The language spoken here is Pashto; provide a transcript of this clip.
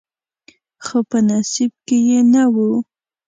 خو په نصیب کې یې نه و.